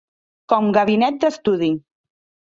Com gabinet d'estudi